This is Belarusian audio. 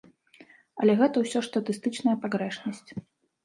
Але гэта ўсё ж статыстычная пагрэшнасць.